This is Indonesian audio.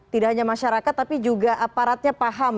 tidak hanya masyarakat tapi juga aparatnya paham